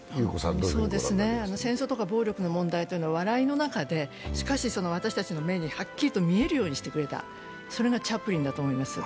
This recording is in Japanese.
戦争とか暴力の問題は笑いの中で、しかし、私たちの目にはっきりと見えるようにしてくれた、それがチャップリンだと思います。